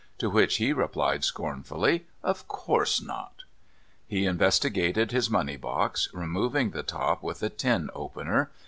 To which he replied scornfully: "Of course not." He investigated his money box, removing the top with a tin opener.